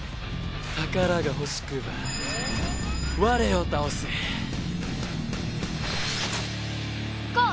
宝が欲しくば我を倒せ。いこう！